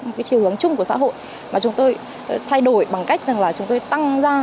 một cái chiều hướng chung của xã hội mà chúng tôi thay đổi bằng cách rằng là chúng tôi tăng ra